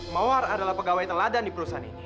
mawar adalah pegawai teladan di perusahaan ini